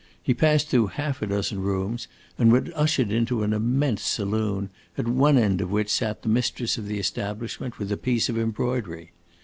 He passed through half a dozen rooms and was ushered into an immense saloon, at one end of which sat the mistress of the establishment, with a piece of embroidery.